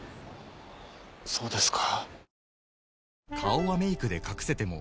そうですか。